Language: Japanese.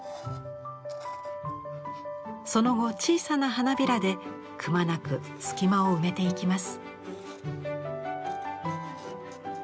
その後小さな花びらでくまなく隙間を埋めていきます。